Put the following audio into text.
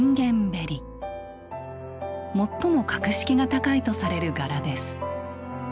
最も格式が高いとされる柄です。